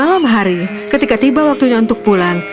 malam hari ketika tiba waktunya untuk pulang